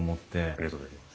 ありがとうございます。